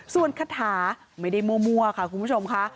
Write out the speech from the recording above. ส่วนคาถาไม่ได้มั่วค่ะคุณผู้ชมค่ะ